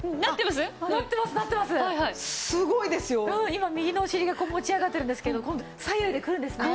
今右のお尻が持ち上がってるんですけど今度左右でくるんですね。